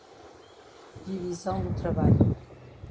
Divisão do trabalho